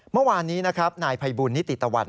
เมื่อวานนี้นายภัยบุญนิติตะวัน